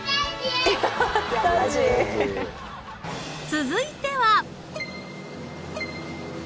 ［続いては］